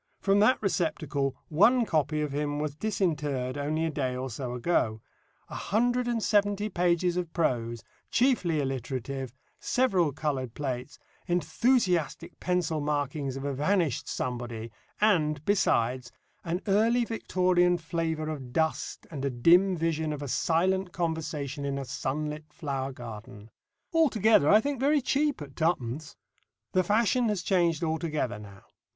From that receptacle one copy of him was disinterred only a day or so ago; a hundred and seventy pages of prose, chiefly alliterative, several coloured plates, enthusiastic pencil marking of a vanished somebody, and, besides, an early Victorian flavour of dust and a dim vision of a silent conversation in a sunlit flower garden altogether I think very cheap at twopence. The fashion has changed altogether now.